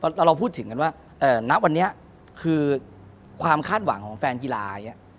เราพูดถึงกันว่าณวันนี้คือความคาดหวังของแฟนกีฬาอย่างนี้